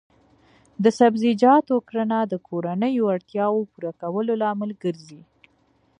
د سبزیجاتو کرنه د کورنیو اړتیاوو پوره کولو لامل ګرځي.